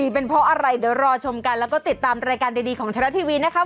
เป็นเพราะอะไรเดี๋ยวรอชมกันแล้วก็ติดตามรายการดีของไทยรัฐทีวีนะคะ